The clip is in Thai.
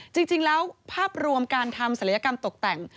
จริงแล้วภาพรวมการทำศัลยกรรมตกแต่ง